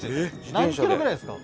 何キロぐらいですか？